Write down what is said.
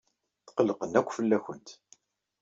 Tqellqen akk fell-awent.